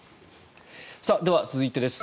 では、続いてです。